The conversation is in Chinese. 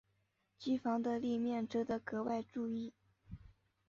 机房的立面值得格外注意。